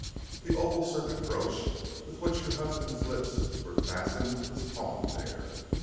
"The opal serpent brooch with which your husband's lips were fastened was pawned there."